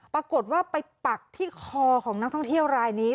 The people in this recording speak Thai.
ปรากฏว่าไปปักที่คอของนักท่องเที่ยวรายนี้